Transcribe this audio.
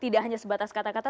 tidak hanya sebatas kata kata